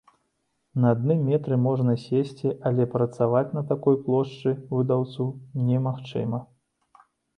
На адным метры можна сесці, але працаваць на такой плошчы выдаўцу немагчыма.